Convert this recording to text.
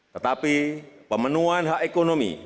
tetapi pemenuhan hak ekonomi